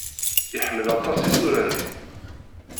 Iḥemmel aṭas isura-nni.